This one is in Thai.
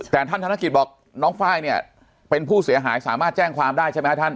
แต่ท่านธนกิจบอกน้องไฟล์เนี่ยเป็นผู้เสียหายสามารถแจ้งความได้ใช่ไหมครับท่าน